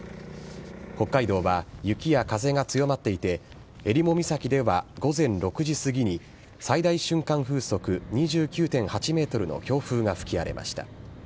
北海道は雪や風が強まっていて、えりも岬では午前６時過ぎに最大瞬間風速２９．８メートルの強風が吹き荒れました。